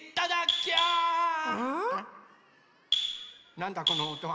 なんだこのおとは？